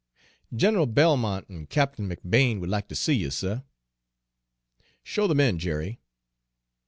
"Gin'l Belmont an' Cap'n McBane would like ter see you, suh." "Show them in, Jerry."